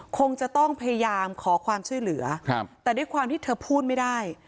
คงจะต้องพยายามขอความช่วยเหลือครับแต่ด้วยความที่เธอพูดไม่ได้